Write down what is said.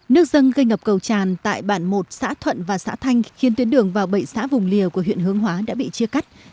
nước dâng gây ngập cầu tràn tại bản một xã thuận và xã thanh khiến tuyến đường vào bệnh xã vùng lìa của huyện hương hóa đã bị chia cắt